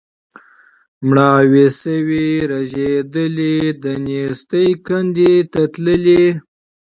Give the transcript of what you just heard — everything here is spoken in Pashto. مړاوي سوي رژېدلي د نېستۍ کندي ته تللي